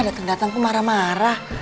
datang datang pun marah marah